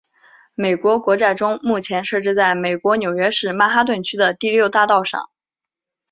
美国国债钟目前设置在美国纽约市曼哈顿区的第六大道上。